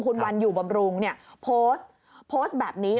คุณวันอยู่บำรุงเนี่ยโพสต์โพสต์แบบนี้